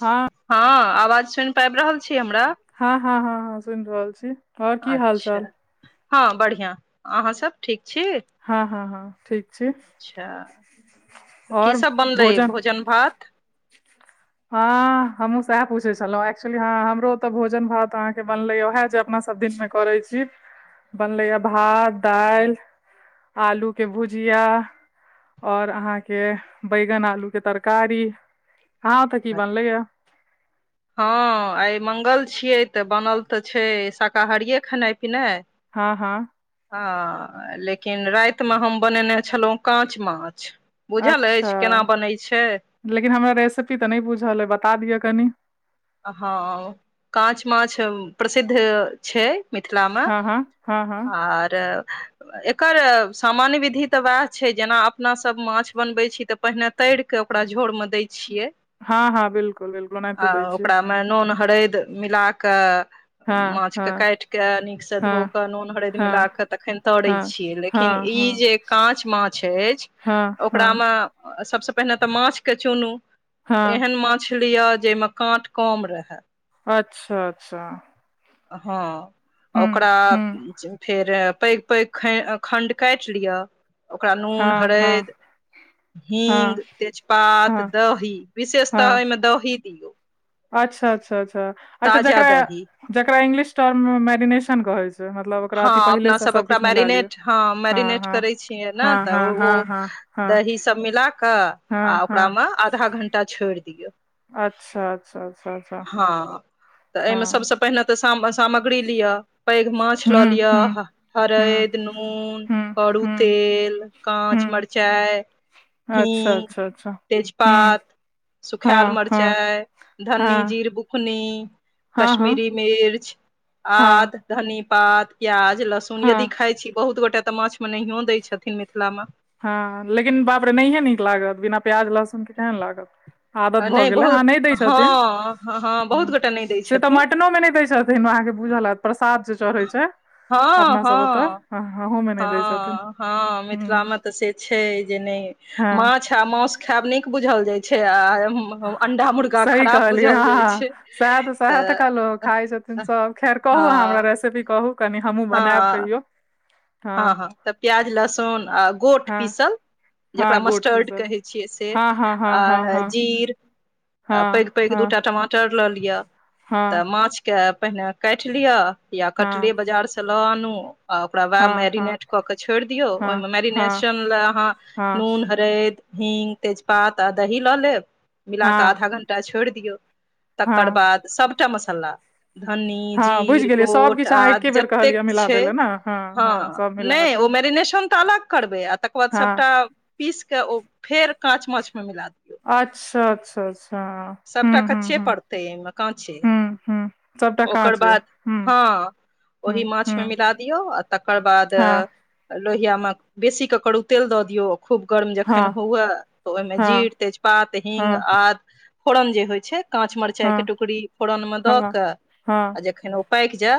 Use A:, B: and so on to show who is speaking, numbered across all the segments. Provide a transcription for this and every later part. A: हँ
B: हँ आवाज सुइन पाबि रहल छी हमरा
A: हँ हँ हँ हँ सुइन रहल छी आओर की हाल
B: अच्छा
A: चाल
B: हँ बढ़िआँ अहाँसब ठीक छी
A: हँ हँ हँ ठीक छी
B: अच्छा की सब बनलय भोजन भात
A: हँ हमहूँ सएह पूछय छलहुं एक्चुली हं हमरो अतऽ भोजन भात आहा के बनले उएह जे अपना सब दिन में करै छी बनलय या भात दालि आलू के भुजिया और अहाँ के बैगन आलू के तरकारी अहाँ तऽ की बनले ये
B: हँ आइ मंगल छियै तऽ बनल तऽ छै शाकाहारिए खेनाइ पिनाइ
A: हँ हँ
B: हँ लेकिन राइत में हम बनेने छलहुँ काँच माछ बुझल
A: अच्छा
B: अछि केना बनै छै
A: लेकिन हमरा रेसिपी तऽ नय बुझल अइ बता दिअ कनि
B: हँ काँच माछ प्रसिद्ध छय मिथिला में
A: हँ हँ हँ हँ
B: आर एकर सामान्य विधि तऽ उएह छय जेना अपनासब माछ बनबैत छी तऽ पहिने तइर के ओकरा झोर में दै छियै
A: हँ हँ बिलकुल बिलकुल ओनाते दै छियै
B: में नून हरइद मिला कऽ
A: हँ
B: माछ के
A: हँ
B: काइट कऽ नीक सँ धो
A: हँ
B: कऽ नून हरइद मिला
A: हँ
B: कऽ तखन तरै
A: हँ
B: छियै लेकिन किन
A: हँ
B: ई
A: हँ
B: जे काँच माछ अछि
A: हँ हँ
B: सभसे पहिने तऽ माछ के चुनू
A: हँ
B: एहन माछ लिअ जइमें काँट कम रहै
A: अच्छा, अच्छा।
B: हँ,
A: हुँ
B: ओकरा।
A: हुँ
B: फेर, पैघ पैघ खण्ड काटि लिआ ओकरा नून
A: हँ हँ
B: हरिद।
A: हँ
B: हीग तेजपात
A: हँ
B: दही विशेषत
A: हँ
B: एहिमे दही दियौ।
A: अच्छा, अच्छा, अच्छा अच्छा,
B: ताजा
A: जकरा
B: दही
A: जकरा इंगलिश टर्ममे मैरिनेट कहे छै। मतलब ओकरा अथी
B: हँ,
A: पहिले
B: अपना
A: से
B: सभ ओकरा
A: सबकिछु मिला लिअ
B: मैरिनेट, हँ,
A: हँ
B: मैरिनेट
A: हँ
B: करै छियै ने
A: हँ
B: त
A: हँ
B: ओ
A: हँ हँ हँ
B: दही सभ मिला कऽ आ
A: हँ हँ
B: ओकरामे आधा घण्टा छोड़ि दियौ।
A: अच्छा, अच्छा, अच्छा, हँ
B: पहिले तऽ सामग्री लिअ पैघ माछ
A: हुँ
B: लऽ लिअ
A: हुँ हुँ
B: हरेद नून
A: हुँ
B: करू
A: हुँ
B: तेल काँच
A: हुँ
B: मिरचाइ
A: अच्छा
B: हिंग
A: अच्छा अच्छा हुँ
B: तेजपात। सुखायल
A: हँ हँ
B: मिरचाइ धनी
A: हँ
B: जीर बुकनी।
A: हँ हँ
B: कश्मीरी मिर्च,
A: हँ
B: आद। धनी पात प्याज लहसुन यदि
A: हँ
B: खाय छी बहुत गोटाे तऽ माछमे नहियो दै छथिन मिथिलामे
A: हँ, लेकिन बाप रे नहियए निक लागत बिना प्याज लहसुन के केहन लागत। आदत भऽ गेल ह,
B: बहुत
A: नहि दै,
B: हँ
A: छथिन
B: हँ हँ बहुत गोटा नहि दै
A: से तऽ
B: छथिन
A: मटनो मे नहि दै छथिन। अहाँकेँ बुझल हेत प्रसाद चढ़ै छै,
B: हँ
A: अपना
B: हँ
A: सभ ओतऽ आहो मे नहि दै छथिन
B: हँ हँ
A: ह
B: मिथिलामे तऽ से छै, जे नहि माछ, आ मास खायब नहि बुझल जाइत छै आ। अंडा मुर्गा
A: सही
B: खराब
A: कहलियै
B: बुझल जाइ
A: हँ
B: छै, तऽ।
A: सँ खैर कहू अहाँ हमरा
B: हँ
A: रेसिपी कहू कनि हमहूँ बनायब
B: हँ
A: कहियौ
B: हँ, हँ, तऽ प्याज लहसुन आ गोत
A: हँ
B: पिसल जकरा
A: हँ गोट
B: मस्टर्ड
A: पीसल
B: कहै छिये से
A: हँ हँ हँ हँ
B: आ
A: हँ
B: जिर आ,
A: हँ
B: पैघ-पैघ
A: हँ
B: दूटा टमाटर लऽ लिअ
A: हँ
B: तऽ माछ के पहिने काटि लिअ या
A: हँ
B: कटले बाजारसे लऽ आनू आ ओकरा
A: हँ हँ
B: मैरिनेट कऽ छोड़ दियौ, ओहि
A: हँ
B: मे
A: हँ
B: मैरिनेशन ले अहाँ
A: हँ
B: नून हरदि। हींग तेजपात आ दही लऽ लेब मिला कऽ
A: हँ
B: आधा घंडा छोड़ि दियौ तकर
A: हँ
B: बाद सभटा मसाला धनी
A: हँ बुझि
B: जिर
A: गेलियै
B: गोट
A: सभकिछु अहाँ
B: आद
A: एके बेर
B: जतेक
A: कहलियै मिला दै
B: छै।
A: लए ने
B: हँ,
A: सभ मिला
B: नहि
A: कऽ
B: ओ मैरिनेट तऽ अलग करबै आ तकर बाद
A: हँ
B: सभटा। पीसके ओ फेर काच माछ मे मिला दियऔ
A: अच्छा, अच्छा, अच्छा। हूँ
B: सभटा
A: हूँ
B: कच्चे
A: हूँ
B: पड़तै, एहि मे काँचे
A: हूँ हूँ सभटा काँच
B: ओकर
A: यऽ
B: बाद
A: हूँ
B: हँ ओहि,
A: हूँ हूँ
B: माछमे मिला दियौ आ तकर बाद
A: हँ
B: लोहियामे बेसी कऽ करो तेल दऽ दियौ खूब गर्म
A: हँ
B: जखन हुए तऽ ओहिमे
A: हँ
B: जिर तेजपात हींग
A: हँ
B: आद फोरन जे होइ छै, काँच मरचाइ
A: हँ
B: के टुकड़ी फोरनमे दऽ
A: हँ
B: कऽ
A: हँ
B: आ जखन ओ पाएक जाय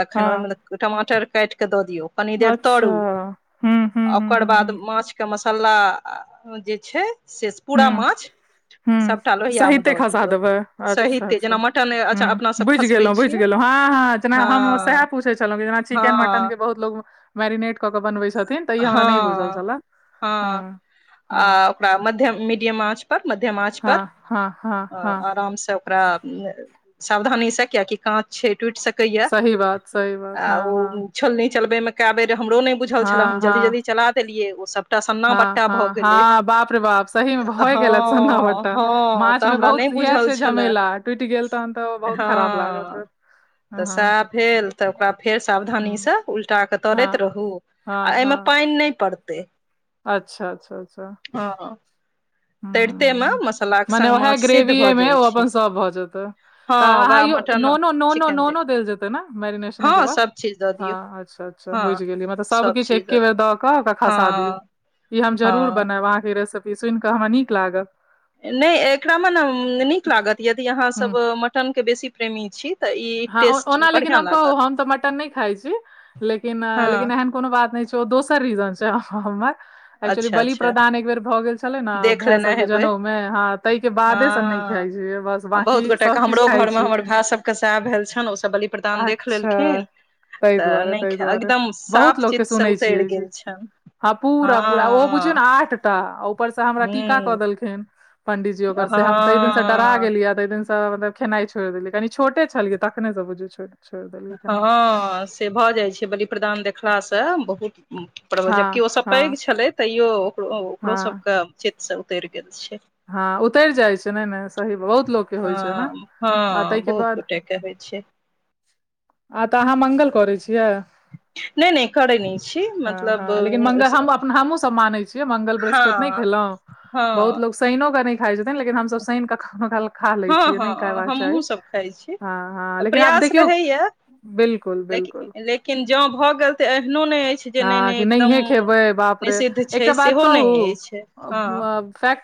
B: तखन
A: हँ
B: ओहिमे टमाटर काटके द दियौ कनि देर
A: अच्छा
B: तरू
A: हूँ हूँ हूँ
B: ओकर
A: हूँ
B: बाद
A: हूँ
B: माछ के मसाला जे छै, से पूरा माछ।
A: हू,
B: सभटा लोहियामे
A: सहिते
B: दऽ
A: खसा
B: दियौ
A: देबै, अच्छा,
B: सहिते जेना मटन अच्छा
A: ह,
B: अपना सब
A: बुझि
B: खसबै
A: गेलो बुझि
B: छियै
A: गेलो हँ, हँ। जेना हम सएह पूछै छलहुँ, जेना चिकेन मटनके
B: हँ
A: बहुत लोग मैरिनेट के बनबै छथिन तइ हमरा नहि बुझल
B: हँ
A: छल हँ,
B: आ
A: हँ।
B: मध्यम मीडियम आँच पर, मध्यम आँच पर
A: हँ हँ हँ हँ
B: आरामसँ ओकरा सावधानी से कियाकि काच छै टूट सके
A: सही बात सही बात हँ हँ
B: छोलनी चलबै मे कए बैर रह हमरो नहि बुझल छलै हम
A: हँ
B: जल्दी
A: हँ
B: जल्दी चला देलियै ओ सब सभटा सन्ना
A: हँ
B: बट्टा
A: हँ
B: भऽ गेलै
A: हँ बाप रे बाप सही मे भए गेलथि सन्ना
B: हँ
A: बट्टा
B: हँ
A: माछ
B: तऽ
A: मे
B: हमरा नहि
A: बहुत इएह
B: बुझल
A: छै
B: छलए
A: झमेला टुटि गेल तहन तऽ बहुत
B: हँ
A: खराब लागत फेर
B: तऽ
A: हँ
B: सेहय भेल तऽ ओकरा फेर सावधानी
A: हम्म,
B: से उलटा कऽ तरैत
A: हँ
B: रहू आ
A: हँ
B: एहिमे
A: हँ
B: पानि नहि पड़तै
A: अच्छा अच्छा अच्छा
B: हँ तरिते मे मसालाक
A: मने
B: संग
A: उएह
B: माछ सिद्ध
A: ग्रेवी
B: भऽ
A: मे
B: जाइ
A: ओ
B: छै
A: अपन सभ भ जेते त
B: हँ
A: अहाँ
B: वाह मटन
A: नोनो नोनो
B: चिकेन जे
A: नोनो देल जेतै ने मैरिनेशने के
B: हँ
A: बाद
B: सब चीज दऽ
A: हँ
B: दियौ
A: अच्छा
B: हँ
A: बुझि गेलियै मतलब
B: सब
A: सभकिछ
B: चीज दऽ
A: एके बेर
B: दियौ
A: द क ओकरा कसा दियो
B: हँ
A: ई हम जरूर
B: हँ
A: बनायब अहाँके रेसिपी सुनि क हमरा नीक लागल
B: नहि एकरामे ने नीक लागत यदि अहाँसभ
A: हूँ
B: मटन के बेसी प्रेमी छी तऽ ई
A: हँ
B: टेस्ट
A: ओना लेकिन
B: बढ़िआँ
A: हम कहू
B: लागत
A: हम त मटन नहि खाइ छी लेकिन लेकिन
B: हँ
A: एहन कोनो बात नहि छै दोसर रीजन छै हमर एकचुली
B: अच्छा
A: बलि
B: अच्छा
A: प्रदान एक बेर भए गेल छै छले ने
B: देख
A: भाय
B: लेने
A: सब के
B: हेबै
A: जनउ में हँ ते के बादे से नहि
B: हँ
A: खाइ छै बस बाकी
B: बहुत
A: सब किछ
B: हमरो
A: खाइ
B: घरमे
A: छी
B: हमर भाय सबके सएह भेल छन ओसभ बलिप्रदान देख
A: अच्छा
B: लेलखिन
A: ताहि
B: त
A: दुआरे
B: नहि
A: ताहि
B: खाइ
A: दुआरे
B: एकदम
A: बहुत
B: साफ
A: लोकके
B: चीसँ
A: सुनै छियै
B: उतर
A: ई
B: गेल
A: चीज
B: छैन
A: हँ पूरा पूरा ओहो बुझियौ नऽ आठ टा ऊपरसँ हमरा टीका क
B: हूँ
A: देलखिन पंडिजी ओकर से हम तइ दिन से डरा
B: हँ
A: गेलियै तेय दिन सँ मलब खेनाइ छोड़ देलये कनि छोटे छलियै तखने से बुछयो छोड़ देलये
B: हँ से भ जाइ छै बलि प्रदान देखलासँ बहुत पर जबकि
A: हँ
B: ओसँ पैघ
A: हँ
B: छलै तैयो ओकरो
A: हँ
B: सबके चीतसँ उतरि गेल छै
A: हँ उतरि जाइ छै नय नऽ सही बात बहुत लोग के होय छे
B: हँ
A: ऐना ते
B: हँ
A: के
B: बहुत
A: बाद
B: गोटेके होइ छै
A: आ त अहाँ मंगल करै छियै
B: नहि नहि करै नहि छी
A: हँ
B: मतलब
A: हँ लेकिन मंगल हम अप हमहूँ सब माने छियै मंगल बृहस्पति नहि
B: हँ
A: खेलो
B: हँ
A: बहुत लोक शेनो के नहि खाय छथिन लेकिन हम सब शनि कऽ कखनो काल कऽ खा लै
B: हँ
A: छियै नहि
B: हँ
A: खयबाक चाही
B: हमहुँ सब खाइ छी
A: हँ हँ लेकिन आब
B: प्रयास
A: देखियौ
B: रहैया
A: बिल्कुल बिल्कुल
B: लेकिन लेकिन जँ भऽ गेल तऽ एहनो नहि अछि जे नहि
A: हँ
B: नहि
A: कि
B: एकदम
A: नहिये खेबै बाप रे
B: निषिद्ध
A: एकटा
B: छै
A: बात
B: सेहो नहि
A: कहूँ
B: अछि हँ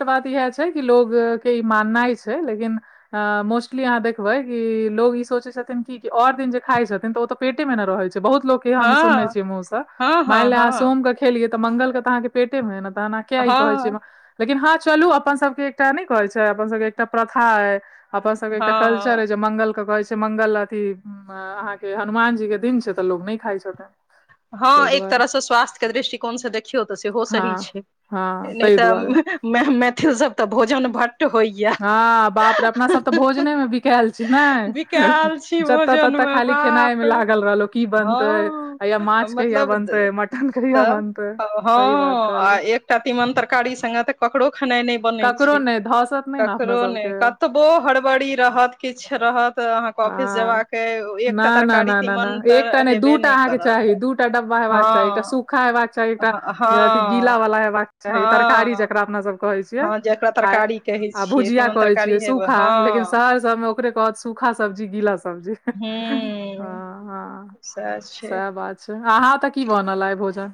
A: बात इएह छै कि लोग के ई माननाइ छै लेकिन हं मोस्टली अहाँ देखबै कि लोग ई सोचै छथिन कि ओर दिन जे खाइ छथिन त ओ तऽ पेटे मे न रहै छै बहुत लोकक
B: हँ
A: हम सुनने छियै मुँह सऽ
B: हँ हँ
A: मान लियह की आहाँ
B: हँ
A: सोम के खेलिय त मंगल के त अहाँ के पेटे मे न‌ तहन आहाँ एना ई किया कहे छिये
B: हँ
A: लेकिन हाँ चलू अपन सबके एकटा नहि कहै छै अपन सबके एकटा प्रथा अय अपन सबहक एकटा कल्चर आछि
B: हँ
A: जे मंगल के कहे छै मंगल अथी अहाँ के हनुमान जी के दिन छै त लोग नहि खाइ छथिन
B: हँ
A: ताहि
B: एक
A: दुआरे
B: तरहसँ स्वास्थ्य के दृष्टिकोण सँ देखियौ त सेहो सही
A: हँ
B: छै
A: हँ
B: नहि
A: ताहि
B: तऽ
A: दुआरे
B: मैथिल सब तऽ भोजन भटट होइय
A: हँ बाप रे अपना सब तऽ भोजने मे बिकायल छै ने
B: बिकायल छी
A: जतऽ
B: भोजन
A: ततऽ
B: मे
A: खाली खेनाइ
B: बाप
A: मे
B: रे
A: लागल रहलो की बनते आ या
B: हँ
A: माछ कहिया
B: मतलब
A: बनते मटन कहिया
B: तऽ
A: बनते
B: हँ
A: सही बात
B: आ
A: कहलियै
B: एकटा तीमन तरकारी संगे तऽ ककरो खेना नय बनै
A: ककरो
B: छै
A: नहि धसत नहि ने अपना
B: ककरो नय
A: सबके
B: कत बो हड़बड़ी रहत किछ रहत तऽ अहाँके ऑफिस
A: हँ
B: जेबाक के
A: ना
B: एकटा
A: ना
B: तरकारी
A: ना ना ना
B: तीमन तऽ
A: नहि
B: हेबे
A: दूटा
B: नइ
A: अहाँके चाही
B: करत
A: दूटा एकटा डब्बा हेबाक चाही एकटा
B: हँ
A: सूखा हेबाक चाही एकटा
B: हँ
A: अथि गीला वला हेयबाक चाही तरकारी
B: हँ
A: जकरा अपना सब कहै छियै
B: हँ जकरा
A: आ
B: तरकारी कहै
A: आ
B: छियै
A: भुजिया
B: तीमन
A: कहै छियै
B: तरकारी हेबै
A: सूखा लेकिन
B: हँ
A: शहर सबमे ओकरे कहत सूखा सब्जी गीला सब्जी हं
B: हूँ
A: हं
B: सएह
A: से
B: छै
A: बात छै अहाँ तऽ की बनल आय भोजन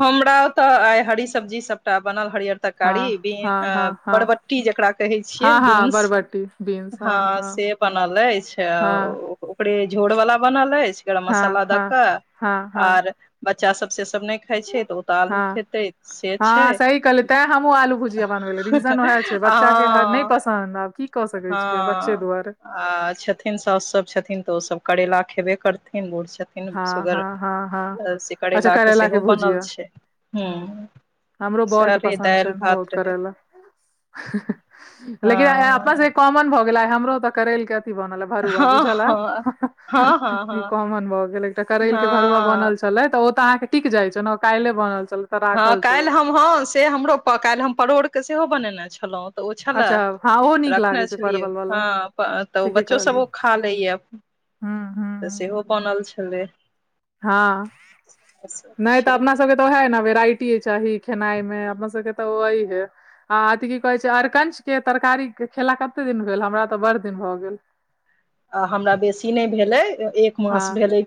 B: हमरा ओत आइ हरी सब्जी सबटा बनल हरियर
A: हँ
B: तरकारी
A: हँ
B: बीन्
A: हँ हँ
B: बरबट्टी जकरा कहै छियै बीन्स
A: कटी बीन
B: हँ से बनल अइछ
A: हँ
B: ओकरे झोरवला बनल अइछ गरम
A: हँ
B: मसाला दऽ
A: हँ
B: कऽ
A: हँ हँ
B: आर बच्चा सब से सब नय खाय छै त तालू खेतै से छय
A: तैं हमहु आलू भु जिया बनबे लै रीजन उएह छै बच्चा के नहि पसन्द आब की क सकै छियै बच्चे
B: हँ
A: दुआर
B: आ छथिन साउस सब छथिन तऽ ओ सब करेला खेबे करथिन बूढ़ छथिन
A: हँ
B: सुगर
A: हँ हँ हँ अच्छा
B: शिकरेलाक के
A: करैला
B: सेहो बनल
A: भुजिया
B: छै
A: हँ
B: हं
A: हमरो बड़ के
B: सरी
A: पसन्द
B: दायल
A: छनि
B: भात
A: बहुत
B: रहै
A: करैला लेकिन आय अपना
B: हँ
A: सब कॉमन भऽ गेल हमरो तऽ करैल के अथी बनल भरुआ
B: हँ
A: बुझल
B: हँ हँ हँ
A: हैत इ
B: हँ
A: कॉमन भ गेल एकटा करैल के भरुआ
B: हँ
A: बनल छय छलय तऽ ओ तऽ अहाँके टिक जाइत छल न काइले बनल छल
B: हँ काल्हि हम हँ से हमरो काल्हि हम परोड़के सेहो बनेने छलहुँ तऽ ओ छलए
A: अच्छा हँ ओहो नीक
B: रखने
A: लागै छै
B: छलियै
A: परवल
B: हँ
A: वाला
B: तऽ
A: ठीके
B: बच्चो
A: कहलियै
B: सब ओ खा लैय
A: हूँ हूँ
B: तऽ
A: हूँ
B: सेहो बनल छलय
A: हँ नय तऽ
B: छै
A: अपना सबके तऽ ओहे न वेराइटी चाही खेनाइ में अपना सबके तऽ ओह है हाँ अथी की कहै छै अरकंच के तरकारी खेला कते दिन भेल हमरा तऽ बड़ दिन भऽ गेल
B: आ हमरा बेसी नइ भेलै एक मास
A: हँ
B: भेलै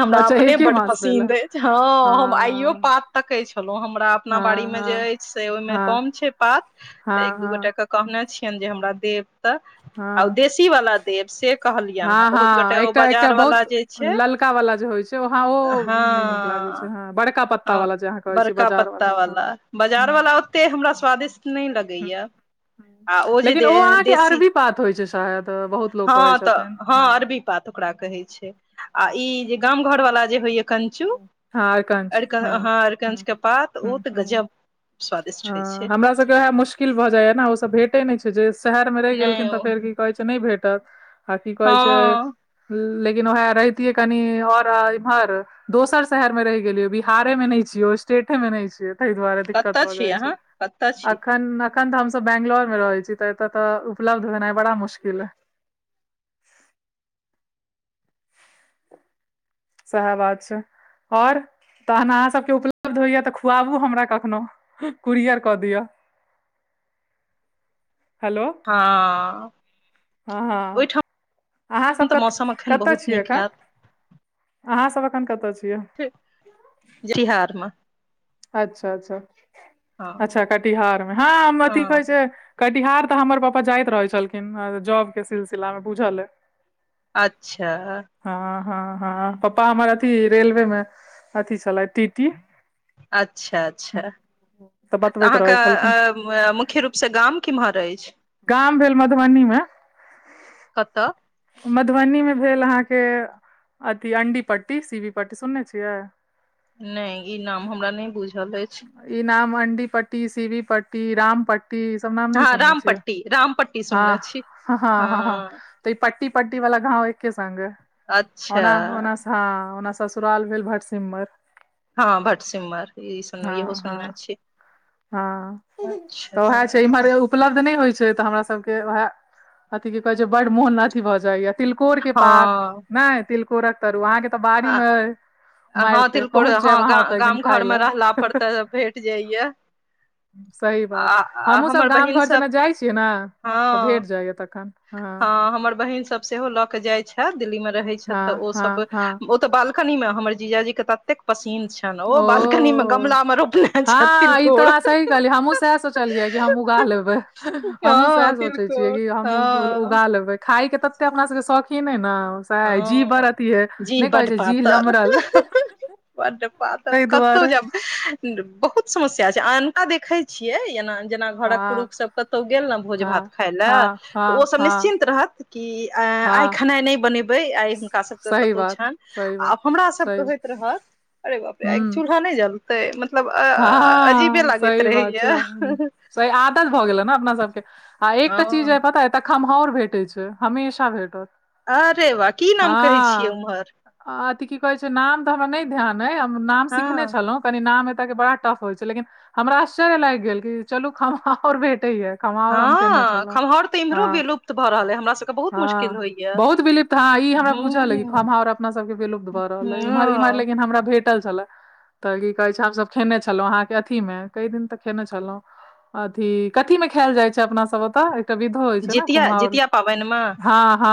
B: हमरा
A: अच्छा
B: अपने
A: एके
B: बड
A: मास भेल
B: पसीन्द अछि हँ हम आइयो
A: हँ
B: पात तकय छलहु हमरा अपना बाड़ी
A: हँ
B: में जे
A: हँ
B: अछि से ओहिमे
A: हँ
B: कम छै पात त
A: हँ
B: एक दू
A: हँ
B: गोटा के कहने छियनि जे हमरा देब तऽ आ
A: हँ
B: देशी वला देव से कहलियनि हैं
A: हँ
B: बहुत गोटे
A: हँ
B: ओ
A: एकटा एकटा
B: बाजार वला
A: बहुत
B: जे छै
A: ललका वाला जे होइ छै हँ ओ
B: हँ
A: नहि नीक लागै छै हँ बड़का पत्ता
B: आं
A: वाला जे अहाँ कहै छी
B: बरका
A: बाजार
B: पत्ता
A: वाला हँ
B: वला बाजार वाला
A: हँ
B: ते हमरा स्वादिष्ट नय
A: हूं
B: लगैया
A: हूं
B: आ ओ जे
A: लेकिन
B: दे
A: अहाँके
B: देशी
A: अरबी पात होइ छै शायद बहुत लोक कहै
B: हँ तऽ
A: छथिन
B: हँ अरबी पात ओकरा कहय छै आ ई जे गाम घर वाला जे होइया कञ्चु
A: हँ हँ अरकंच
B: अर हँ अरकंच
A: हूं
B: के पात
A: हूं
B: ओ त गजब स्वादिष्ट होइ छै
A: सब वएह मुश्किल भऽ जाइये न ओ सब भेटे नय छै जे शहर में रहि गेलखिन
B: नहि
A: तऽ
B: ओ
A: फेर की कहै छै से नय भेटत आ की कहै छै
B: हँ
A: लेकिन वएह रहती है कनि और इम्हर दोसर शहर में रहि गेलियो बिहारेमे नय छियो स्टेटे में नहि छियै तहि दुआरे दिक्कत
B: कतऽ
A: भऽ
B: छी
A: जाइ छै
B: अहाँ कतऽ छी
A: अखन अखन तऽ हमस बेंगलोर में रहै छी त एतय तऽ उपलब्धेनाइ बड़ा मुश्किल अय सेहे बात छै ओर तहन अहाँ सबके उपलब्ध होइया तऽ खुआबु हमरा कखनो कुरियर कऽ दिअ हेलो
B: हँ
A: हँ हँ
B: ओहिठाम
A: अहाँ सब
B: तऽ
A: कत
B: मौसम एखन
A: कतऽ
B: बहुत
A: छीयै
B: नीक
A: एखन अहाँ सब एखन कत छियै
B: बिहार म
A: अच्छा अच्छा
B: हँ
A: अच्छा कटिहार में हँ हम अथी कहै
B: हँ
A: छै कटिहार तऽ हमर पपा जाइत रहय छलखिन जॉब के सिलसिला मे बुझल अय
B: अच्छा
A: हँ हँ हँ पपा हमर अथी रेलवे में अभी छलइथ अथी टीटी
B: अच्छा अच्छाऽ तऽ
A: बतबैत रहै छलखिन
B: अहाँके मुख्य रूप से गाम किम्हर अछि
A: गाम भेल मधबनी मे
B: कतय
A: मधबनी में भेल अहाँके अथी अंडी पट्टी सीवी पट्टी सुनने छियै
B: नय ई नाम हमरा नय बुझल अछि
A: ई नाम अंडी पट्टी सिवी पट्टी राम पट्टी ई सब नाम नय सुनने छिये
B: रामपट्ीसँ
A: हँ हँ हँ हँ हँ त ई पट्टी पट्टी वला गाँव एक्के संग
B: अच्छा
A: ओना ओना हँ ओना ससुराल भेल भटसिमर
B: हँ भटसिमर ई सुनने
A: हँ
B: इहो
A: हँ
B: सुनने छी
A: हँ
B: अच्छा
A: तऽ उहए छय एमहर उपलब्ध नय होय छै तऽ हमरा सब के वएह अथी की कहे छै बड मोन अथी भऽ जाइया तिलकोर के पात
B: हँ
A: कय तिलकोरक तरुआ अहाँके तऽ बाड़ी मे अय
B: हँ तिलकोर हँ गा गाम
A: खाय
B: घरमे रहला पर
A: लए
B: तऽ भेट जाइए
A: सही बात हमहूँ सब गाम घर
B: सब
A: जेना जाइ छियै न
B: हँ हँ हमर बहिन सब सेहो लऽ के जाय छै दिल्ली में रहय छत तऽ
A: हँ
B: ओ
A: हँ
B: सब
A: हँ
B: ओ तऽ बालकनी मे हमर जीजाजी के ततेक पसीन छै
A: ओ
B: छथि
A: हँ ई त
B: तिलकोर
A: अहाँ सही कहलियै हमहूँ सएह सोचलियै कि हम उगा लेबै हमहूँ
B: हँ
A: सएह सोचे छियै
B: तिलकोर
A: कि हमहूँ
B: हँ
A: उगा लेबै खाय के तते अपना सबके शौकीन अय न जी बर
B: हँ
A: अती ए नय कहै छै जी लमरल
B: बड पातर
A: ताहि
B: कतउ
A: दुआरे
B: जैब बहुता समस्या छै आन्हाँ देखय छिये जेना घरक
A: हँ
B: पुरुख सब कतौ गेल ने भोज भात
A: हँ
B: खाय लए
A: हँ
B: तऽ
A: हँ
B: ओसब
A: हँ
B: निश्चिन्त रहत कि आइ
A: हँ
B: खेनाइ नय बनेब इ आइ हुनका सबके
A: सही
B: कतहु
A: बात
B: छनि
A: सही बात
B: आब हमरा
A: सही
B: सबके होइत रहत अरे बाप रे आय
A: हूँ
B: चुलहा नय जल
A: हँ
B: लागैत
A: सही बात छै
B: रहैया
A: स आदत भऽ गेलै न अपना सबके हाँ आ एकटा चीज अ
B: हँ
A: पता एतऽ खम्हाउर भेटै छै हमेशा भेटत
B: अरे बा की नाम कहै
A: हँ
B: छियै उम्हर
A: अथी की कहै छै नाम तऽ हमरा नय ध्यान अइ हम नाम
B: हँ
A: सिखने छलहुँ कनी नाम ए के बड़ा टफ होइ छै लेकिन हमरा आश्चर्य लाइग गेल कि चलु खमहाउर भेटेय खमहाउर
B: हँ
A: हम खेने छलहु
B: खमहाउर तऽ
A: हँ
B: इम्हरो विलुप्त भऽ रहल अइ हमरा सबके बहुत
A: हँ
B: मुश्किल होइया
A: बहुत बिलीप त ह ई हमरा बुझल अय
B: हूं
A: खमहार अपना सबके विलुप्त भऽ रहल अय इमर इम्हर
B: हँ
A: लेक हमरा भेट टल छले तऽ की कहे छै हमसब खेने छलहुँं अहाँके अथी में कई दिन तऽ खेने छलहुँं अथी कथी में खायल जाय छै अपना सब ओतऽ एकटा विधो होय छै ने
B: जितिया
A: कुम्हार
B: जितिया पाबनिमे
A: हँ हँ